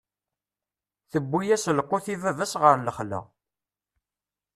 Tewwi-yas lqut i baba-s ɣer lexla.